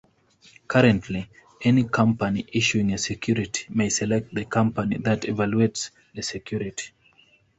Currently any company issuing a security may select the company that evaluates the security.